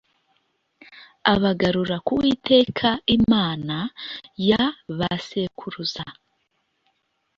abagarura ku Uwiteka Imana ya ba sekuruza